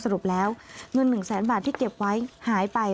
สรุปแล้วเงิน๑แสนบาทที่เก็บไว้หายไป